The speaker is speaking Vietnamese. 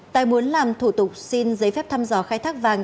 tài muốn làm thủ tục xin giấy phép thăm dò khai thác vàng